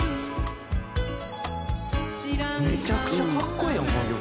「めちゃくちゃ格好ええやんこの曲」